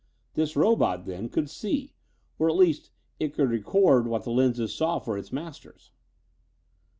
This robot, then, could see. Or at least it could record what the lenses saw for its masters.